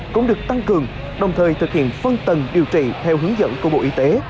cũng được tăng cường đồng thời thực hiện phân tầng điều trị theo hướng dẫn của bộ y tế